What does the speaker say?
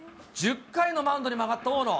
１０回のマウンドにも上がった大野。